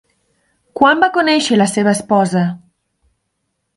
Quan va conèixer la seva esposa?